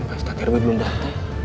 pasti aku belum dateng